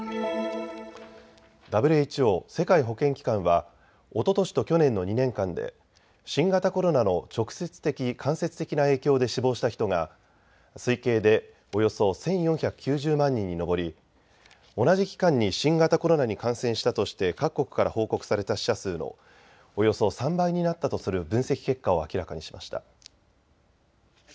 ＷＨＯ・世界保健機関はおととしと去年の２年間で新型コロナの直接的、間接的な影響で死亡した人が推計でおよそ１４９０万人に上り、同じ期間に新型コロナに感染したとして各国から報告された死者数のおよそ３倍になったとする分析結果を明らかにしました。